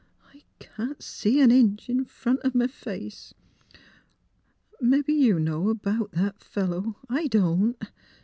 " I can't see an inch in front o' m' face. Mebbe you know 'bout that fellow, I don't.